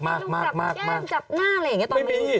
ไม่ต้องจับแก้มจับหน้าอะไรอย่างนี้ตอนมาอยู่จริง